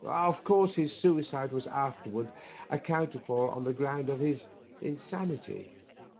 Of course his suicide was afterward accounted for on the ground of his insanity."